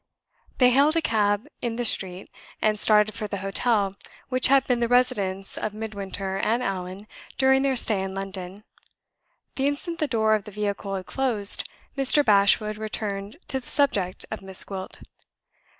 They hailed a cab in the street, and started for the hotel which had been the residence of Midwinter and Allan during their stay in London. The instant the door of the vehicle had closed, Mr. Bashwood returned to the subject of Miss Gwilt.